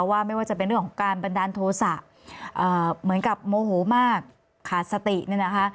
ไม่ว่าจะเป็นเรื่องของการบันดาลโทษะเหมือนกับโมโหมากขาดสติเนี่ยนะคะ